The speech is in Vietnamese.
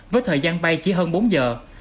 với thời gian bay chỉ hơn bốn giờ